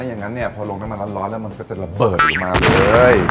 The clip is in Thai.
ถ้าอย่างนั้นพอลงได้มาร้อนแล้วมันก็จะระเบิดออกมาเลย